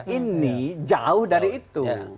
ini jauh dari itu